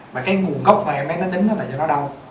mà cái nguồn gốc mà em bé nó nín đó là cho nó đau